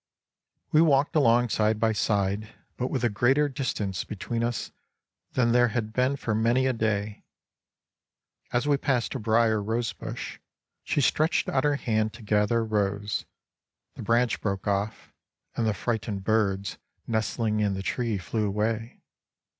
We walked along side by side, but with a greater distance between us than there had been for many a day. As we passed a briar rosebush, she stretched out her hand to gather a rose, the branch broke off, and the frightened birds nestling in the tree flew away.